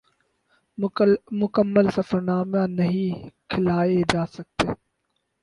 مکمل سفر نامے نہیں کھلائے جا سکتے